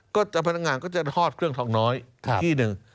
ก็เจ้าพนักงานก็จะทอดเครื่องทองน้อยที่หนึ่ง